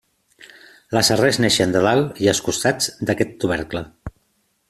Les arrels neixen de dalt i els costats d'aquest tubercle.